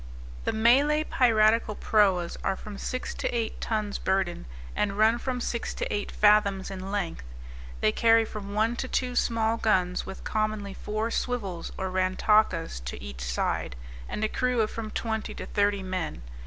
The Malay piratical proas are from six to eight tons burden, and run from six to eight fathoms in length. They carry from one to two small guns, with commonly four swivels or rantakas to each side, and a crew of from twenty to thirty men.